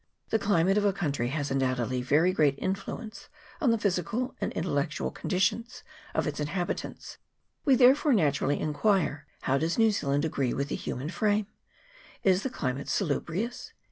The climate of a country has undoubtedly very great influence on the physical and intellectual con ditions of its inhabitants; we therefore naturally in quire How does New Zealand agree with the human frame? Is the climate salubrious?